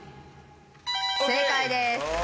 正解です。